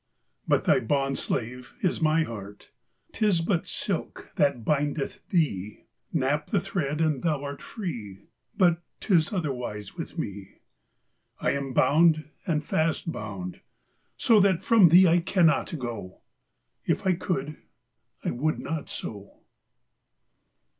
But thy bond slave is my heart; 'Tis but silk that bindeth thee, Knap the thread and thou art free; But 'tis otherwise with me; I am bound, and fast bound so, That from thee I cannot go; If I could, I would not so.